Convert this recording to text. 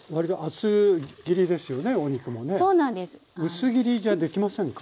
薄切りじゃできませんか？